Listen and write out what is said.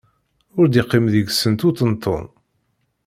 Ur d-iqqim deg-sent uṭenṭun.